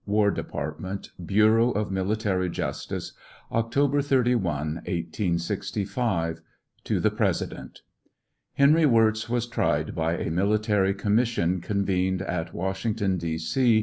War Department, Bureau of Military Justice, October 31, 1865. To the President : Henry Wirz was tried by a military commission, convened at Washington, D. 0.